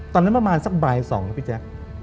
ตอนนั้นประมาณสักบ่ายสองนะพี่แจ๊ค